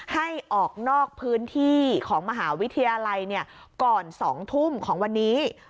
ให้ออกนอกพื้นที่ของมหาวิทยาลัยก่อน๒ทุ่มของวันนี้